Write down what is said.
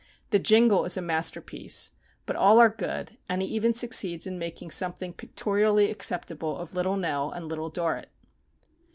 The Jingle is a masterpiece; but all are good, and he even succeeds in making something pictorially acceptable of Little Nell and Little Dorrit.